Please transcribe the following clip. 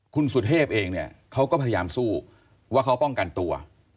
คุณสุเทพเองเนี่ยเขาก็พยายามสู้ว่าเขาป้องกันตัว